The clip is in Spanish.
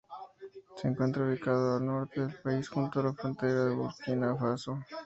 Se encuentra ubicado al norte del país, junto a la frontera con Burkina Faso.